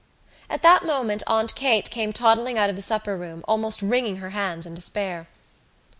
At the moment Aunt Kate came toddling out of the supper room, almost wringing her hands in despair.